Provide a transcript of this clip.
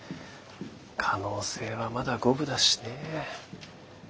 可能性はまだ五分だしね。